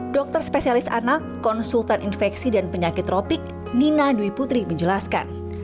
dokter spesialis anak konsultan infeksi dan penyakit tropik nina dwi putri menjelaskan